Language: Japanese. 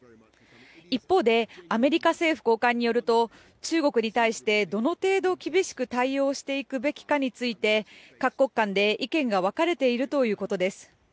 一方でアメリカ政府高官によると中国に対してどの程度厳しく対応していくべきかについて各国間で意見が分かれているということです。